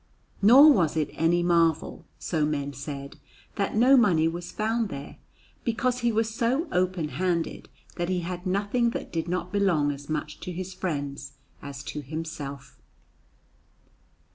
Nor was it any marvel, so men said, that no money was found there, because he was so open handed that he had nothing that did not belong as much to his friends as to himself.